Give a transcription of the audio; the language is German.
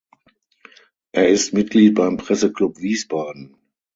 Er ist Mitglied beim Presseclub Wiesbaden.